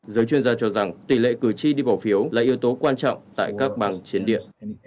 giới chuyên gia cho rằng tỷ lệ cử tri đi bỏ phiếu là yếu tố quan trọng tại các bằng chiến địa